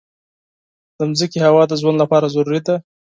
د مځکې هوا د ژوند لپاره ضروري ده.